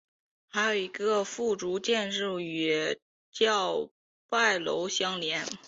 还有一个附属建筑与叫拜楼相连。